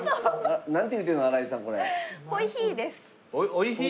「おいひい」。